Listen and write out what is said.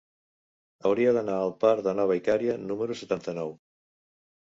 Hauria d'anar al parc de Nova Icària número setanta-nou.